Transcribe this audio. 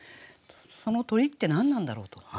この「鳥」って何なんだろうと。